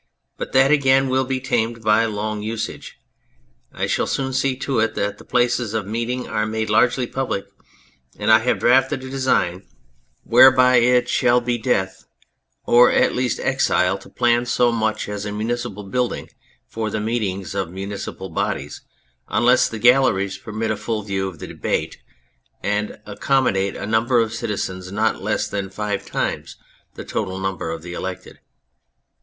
But that again will be tamed by long usage. 1 shall soon see to it that the places of meeting are made largely public, and I have drafted a design whereby it shall 275 T 2 On Anything be death, or at least exile, to plan so much as a muni cipal building for the meetings of municipal bodies unless the galleries permit a full view of the debate, and accommodate a number of citizens not less than five times the total number of the elected.